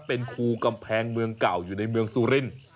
เป็นครูกำแพงเมืองเก่าอยู่ในเมืองซูรินทร์